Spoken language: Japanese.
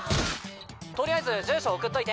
とりあえず住所送っといて。